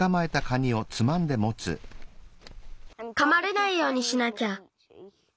かまれないようにしなきゃ。